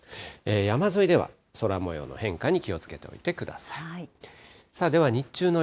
山沿いでは空もようの変化に気をつけておいてください。